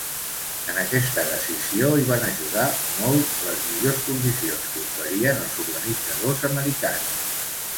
En aquesta decisió hi van ajudar molt les millors condicions que oferien els organitzadors americans.